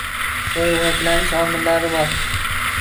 Rivojlanishning omillari bor.